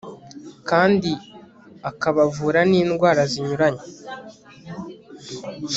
kandi akabavura n'indwara zinyuranye